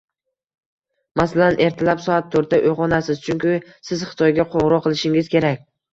Masalan, ertalab soat to'rtda uygʻonasiz, chunki siz Xitoyga qoʻngʻiroq qilishingiz kerak.